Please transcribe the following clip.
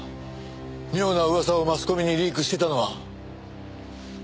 妙な噂をマスコミにリークしてたのは。